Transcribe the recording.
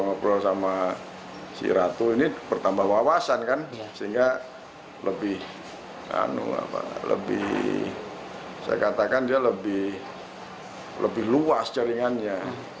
ngobrol sama si ratu ini bertambah wawasan kan sehingga lebih saya katakan dia lebih luas jaringannya